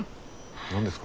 何ですか。